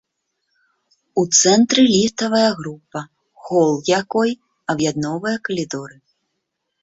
У цэнтры ліфтавая група, хол якой аб'ядноўвае калідоры.